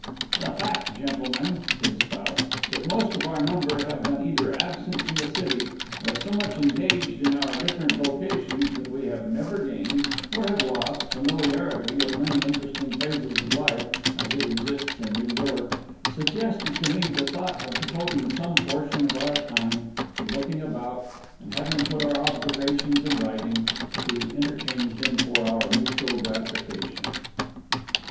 "The fact, gentlemen," said Spout, "that most of our number have been either absent from the city, or so much engaged in our different vocations that we have never gained, or have lost, familiarity with many interesting phases of life, as it exists in New York, suggested to me the thought of devoting some portion of our time to looking about, and having put our observations in writing, to interchange them for our mutual gratification."